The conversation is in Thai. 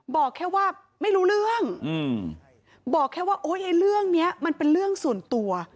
บอกแค่ว่าไม่รู้เรื่องบอกแค่ว่าโอ๊ยไอ้เรื่องนี้มันเป็นเรื่องส่วนตัว